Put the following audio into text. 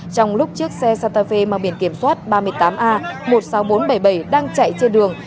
trong lúc chiếc xe sata mang biển kiểm soát ba mươi tám a một mươi sáu nghìn bốn trăm bảy mươi bảy đang chạy trên đường